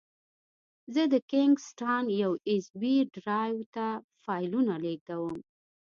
زه د کینګ سټان یو ایس بي ډرایو نه فایلونه لېږدوم.